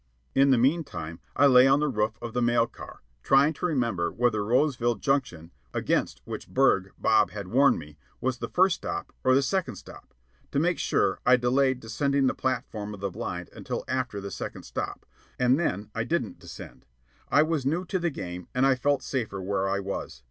In the meantime, I lay on the roof of the mail car, trying to remember whether Roseville Junction, against which burg Bob had warned me, was the first stop or the second stop. To make sure, I delayed descending to the platform of the blind until after the second stop. And then I didn't descend. I was new to the game, and I felt safer where I was.